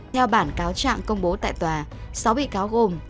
theo bản cáo chạng công bố tại tòa sáu vị cáo gồm